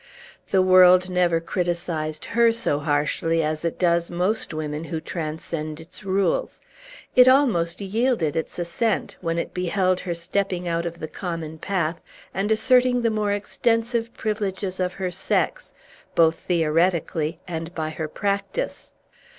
The world never criticised her so harshly as it does most women who transcend its rules. It almost yielded its assent, when it beheld her stepping out of the common path, and asserting the more extensive privileges of her sex, both theoretically and by her practice.